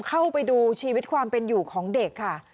เข้าไปดูชีวิตความเป็นอยู่ของเด็กค่ะ